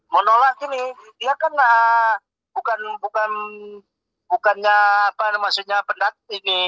menolak ini dia kan bukan bukan bukannya apa maksudnya pendat ini